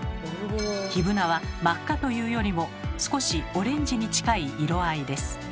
ヒブナは真っ赤というよりも少しオレンジに近い色合いです。